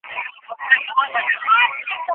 মাছ খাও।